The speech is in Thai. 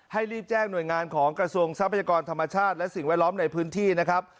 รีบแจ้งหน่วยงานของกระทรวงทรัพยากรธรรมชาติและสิ่งแวดล้อมในพื้นที่นะครับ